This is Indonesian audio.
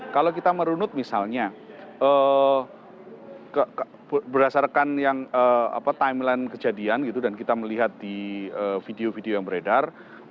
kalau kita merunut misalnya berdasarkan timeline kejadian gitu dan kita melihat di video video yang beredar